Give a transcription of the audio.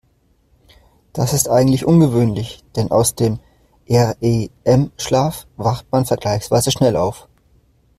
Das ist eigentlich ungewöhnlich, denn aus dem REM-Schlaf wacht man vergleichsweise schnell auf.